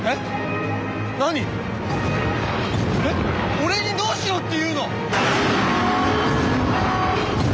俺にどうしろっていうの！